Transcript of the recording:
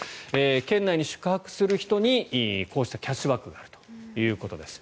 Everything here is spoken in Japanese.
県内に宿泊する人にこうしたキャッシュバックがあるということです。